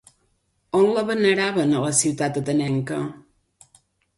On la veneraven a la ciutat Atenenca?